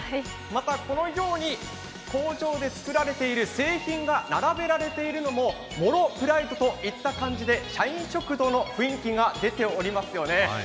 このように工場で作られている製品が並べられているのも茂呂プライドといった感じで社員食堂感が出てますよね。